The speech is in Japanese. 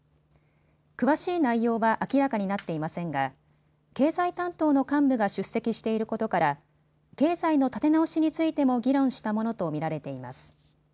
詳しい内容は明らかになっていませんが経済担当の幹部が出席していることから経済の立て直しについても議論したものと見られています。